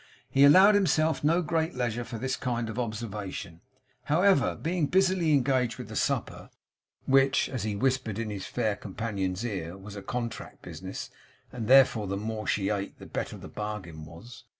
He allowed himself no great leisure for this kind of observation, however, being busily engaged with the supper, which, as he whispered in his fair companion's ear, was a contract business, and therefore the more she ate, the better the bargain was.